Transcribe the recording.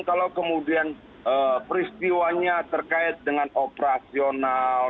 kalau kemudian peristiwanya terkait dengan operasional